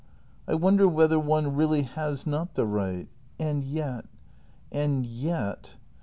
I wonder whether one really has not the right ! And yet, and yet